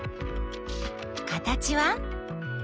形は？